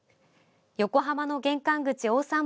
横浜の玄関口・大さん